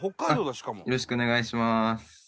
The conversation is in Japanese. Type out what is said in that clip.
よろしくお願いします。